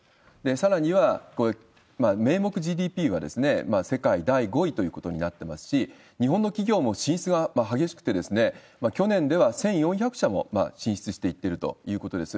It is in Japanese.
さらには、名目ＧＤＰは世界第５位ということになってますし、日本の企業も進出が激しくて、去年では１４００社も進出していっているということです。